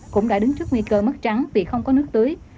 cũng đã đứng trước nguy cơ mất trắng vì không có nước tưới